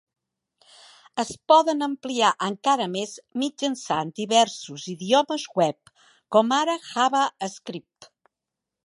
Es poden ampliar encara més mitjançant diversos idiomes web, com ara JavaScript.